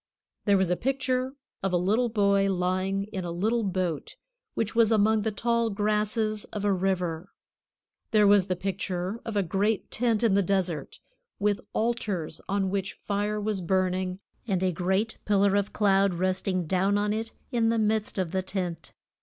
There was a picture of a little boy lying in a little boat which was among the tall grasses of a river. There was the picture of a great tent in the desert, with altars on which fire was burning, and a great pillar of cloud resting down on it in the midst of the tent.